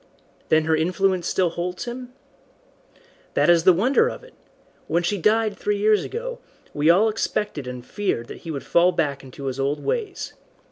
"Then her influence still holds him?" "That is the wonder of it. When she died three years ago, we all expected and feared that he would fall back into his old ways.